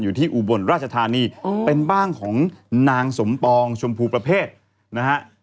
อุบลราชธานีเป็นบ้านของนางสมปองชมพูประเภทนะฮะ